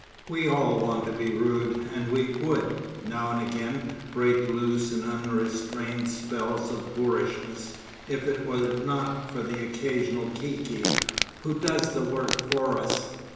We all want to be rude, and we would, now and again, break loose in unrestrained spells of boorishness if it were not for an occasional Kiki who does the work for us.